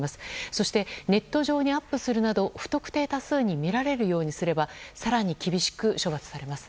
そしてネット上にアップするなど不特定多数に見られるようにすれば更に厳しく処罰されます。